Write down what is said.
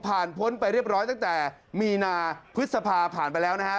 พ้นไปเรียบร้อยตั้งแต่มีนาพฤษภาผ่านไปแล้วนะฮะ